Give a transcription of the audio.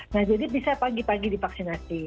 nah jadi bisa pagi pagi divaksinasi